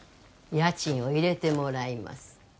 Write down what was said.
家賃を入れてもらいます